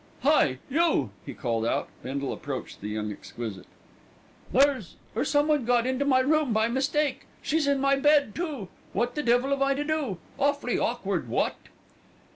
"Hi! You!" he called out. Bindle approached the young exquisite. "There's er someone got into my room by mistake. She's in my bed, too. What the devil am I to do? Awfully awkward, what!"